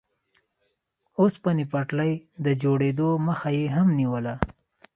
اوسپنې پټلۍ د جوړېدو مخه یې هم نیوله.